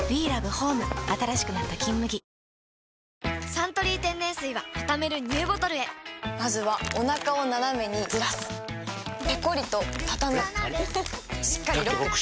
「サントリー天然水」はたためるＮＥＷボトルへまずはおなかをナナメにずらすペコリ！とたたむしっかりロック！